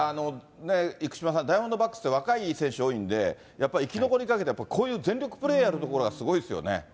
生島さん、ダイヤモンドバックスって若い選手多いんで、やっぱり生き残りをかけて、こういう全力プレーやるところがすごいですよね。